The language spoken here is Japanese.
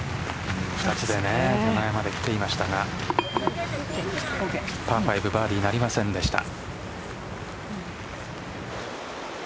手前まで来ていましたがパー５バーディーになりませんでした。